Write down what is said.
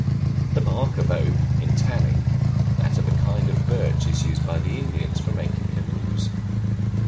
the bark of oak, in tanning; that of a kind of birch is used by the Indians for making canoes.